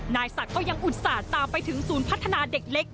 นายศักดิ์ก็ยังอุตส่าห์ตามไปถึงศูนย์พัฒนาเด็กเล็ก